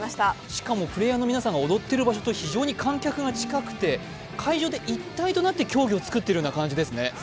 しかもプレーヤーの皆さんが踊っている場所と非常に会場が近くて会場で一体となって競技を作っているような感じですね。